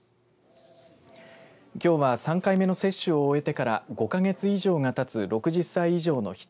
きょうは３回目の接種を終えてから５か月以上がたつ６０歳以上の人